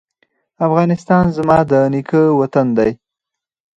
افغانستان زما د نیکه وطن دی